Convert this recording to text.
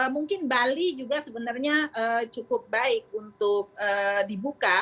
mungkin bali juga sebenarnya cukup baik untuk dibuka